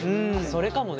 それかもね。